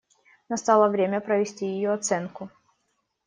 Настало время провести ее оценку.